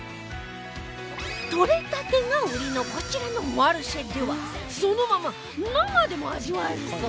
とれたてが売りのこちらのマルシェではそのまま生でも味わえるそう